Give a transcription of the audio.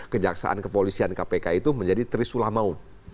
kejaksaan kepolisian kpk itu menjadi trisulah maut